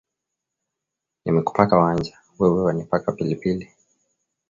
Nimekupaka wanja, wewe wanipaka pilipili